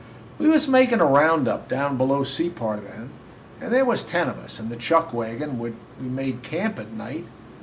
"We was makin' a round up down below Separ then, and there was ten of us and the chuck wagon when we made camp at night.